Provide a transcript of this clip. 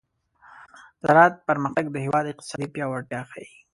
د زراعت پرمختګ د هېواد اقتصادي پیاوړتیا ښيي.